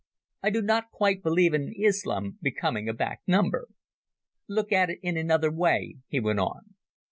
I do not quite believe in Islam becoming a back number." "Look at it in another way," he went on.